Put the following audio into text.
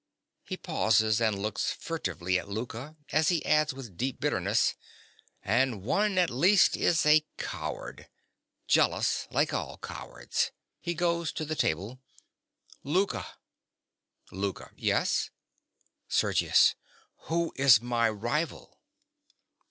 (He pauses and looks furtively at Louka, as he adds with deep bitterness) And one, at least, is a coward—jealous, like all cowards. (He goes to the table.) Louka. LOUKA. Yes? SERGIUS. Who is my rival?